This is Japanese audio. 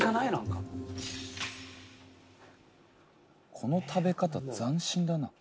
この食べ方斬新だな。